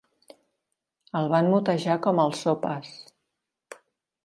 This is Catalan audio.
El van motejar com "el Sopes".